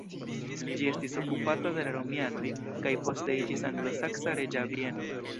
Ĝi estis okupata de la romianoj, kaj poste iĝis anglosaksa reĝa bieno.